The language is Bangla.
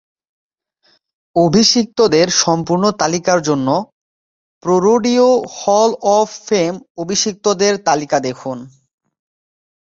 অভিষিক্তদের সম্পূর্ণ তালিকার জন্য, প্রোরোডিও হল অফ ফেম অভিষিক্তদের তালিকা দেখুন।